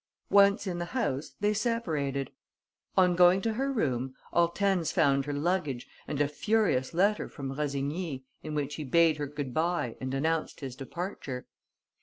Once in the house, they separated. On going to her room, Hortense found her luggage and a furious letter from Rossigny in which he bade her good bye and announced his departure.